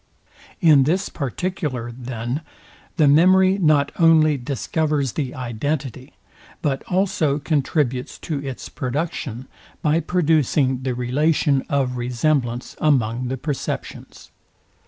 In this particular, then, the memory not only discovers the identity, but also contributes to its production, by producing the relation of resemblance among the perceptions.